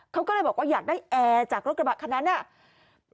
เขาก็เลยบอกว่าอยากได้แอร์จากรถกระบะคันนั้นน่ะ